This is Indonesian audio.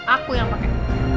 aku yang pakai